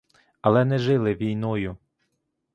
Але не жили війною.